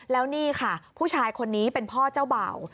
แล้วนี่ค่ะผู้ชายคนนี้เป็นพ่อเจ้าเบ่า